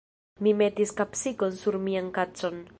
Mi metis kapsikon sur mian kacon.